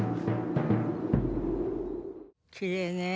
「きれいね」